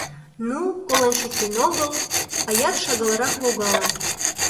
Ну, колен шуктен огыл — аяр шагалрак логалын.